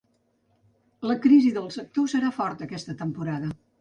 La crisi del sector serà forta aquesta temporada.